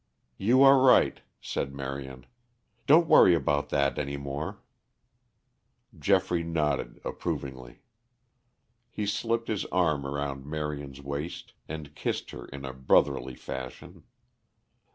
"You are right," said Marion. "Don't worry about that any more." Geoffrey nodded approvingly. He slipped his arm round Marion's waist and kissed her in a brotherly fashion.